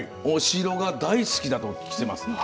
お城が大好きだとお聞きしています。